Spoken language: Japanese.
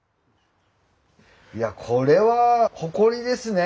いやこれは誇りですね！